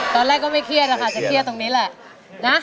ตอนแรกก็ไม่เครียดอะค่ะจะเครียดตรงนี้แหละนะ